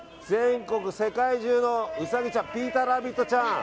全国、世界中のウサギちゃんピーターラビットちゃん！